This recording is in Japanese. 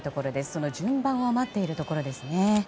その順番を待っているところですね。